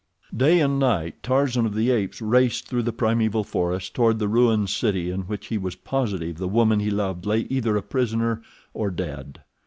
Day and night Tarzan of the Apes raced through the primeval forest toward the ruined city in which he was positive the woman he loved lay either a prisoner or dead.